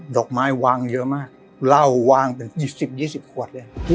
ดอกไม้วางเยอะมากราววางเป็นยี่สิบยี่สิบขวดเลย